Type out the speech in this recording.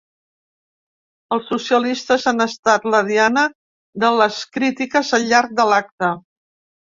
Els socialistes han estat la diana de les crítiques al llarg de l’acte.